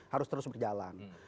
harus terus berjalan